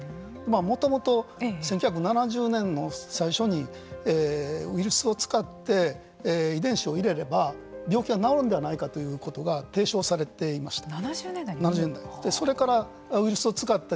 もともと、１９７０年の最初にウイルスを使って遺伝子を入れれば病気が治るのではないかということが提唱されていました。